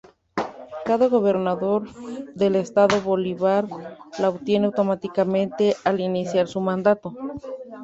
Cada gobernador del Estado Bolívar la obtiene automáticamente al iniciar su mandato.